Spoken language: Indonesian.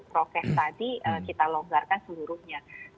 prokes tadi kita longgarkan seluruhnya